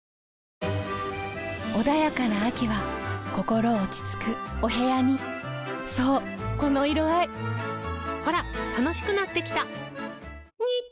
穏やかな秋は心落ち着くお部屋にそうこの色合いほら楽しくなってきた！